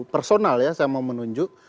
personal ya saya mau menunjuk